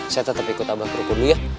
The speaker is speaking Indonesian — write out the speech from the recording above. saya tetep ikut abah keruko dulu ya